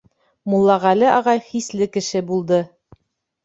Муллағәле ағай хисле кеше булды.